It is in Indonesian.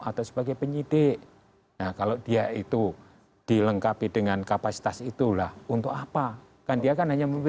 atau sebagai penyidik kalau dia itu dilengkapi dengan kapasitas itulah untuk apa kan dia kan hanya